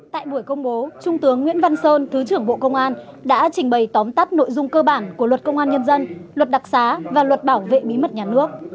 tại buổi công bố trung tướng nguyễn văn sơn thứ trưởng bộ công an đã trình bày tóm tắt nội dung cơ bản của luật công an nhân dân luật đặc xá và luật bảo vệ bí mật nhà nước